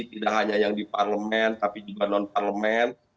tidak hanya yang di parlemen tapi juga non parlemen